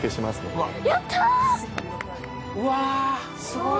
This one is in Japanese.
うわあすごい！